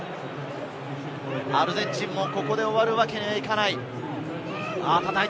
アルゼンチンもここで終わるわけにはいかない。